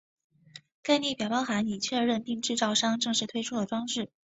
该列表包含已确认并制造商正式推出的装置。